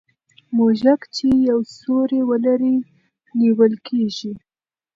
موږک چي یو سوری ولري نیول کېږي.